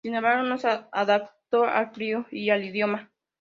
Sin embargo, no se adaptó al frío y al idioma.